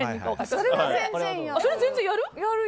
それは全然やる。